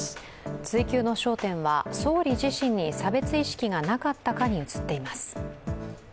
追及の焦点は総理自身に差別意識がなかったかに移っています。